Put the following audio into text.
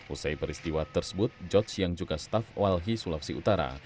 usai peristiwa tersebut george yang juga staf walhi sulawesi utara